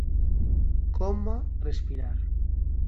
Coma respirar.